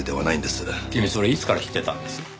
君それいつから知ってたんです？